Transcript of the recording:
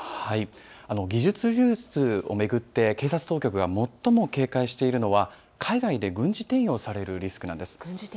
技術流出を巡って、警察当局が最も警戒しているのは、海外で軍事転用されるリスクなんです。